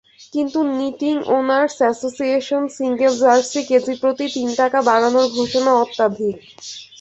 কিন্তু knitting owners association single jersey কেজিপ্রতি তিন টাকা বাড়ানোর ঘোষণা অত্যধিক।